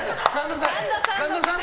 神田さん！